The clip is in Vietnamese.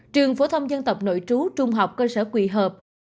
trường phổ thông dân tộc nội chú trung học cơ sở quy hợp